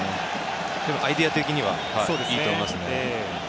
アイデア的にはいいと思います。